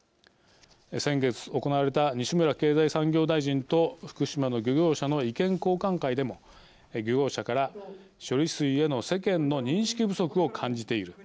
先月行われた西村経済産業大臣と福島の漁業者の意見交換会でも漁業者から処理水への世間の認識不足を感じている。